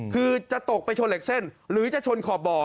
คือจะตกไปชนเหล็กเส้นหรือจะชนขอบบ่อ